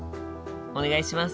お願いします。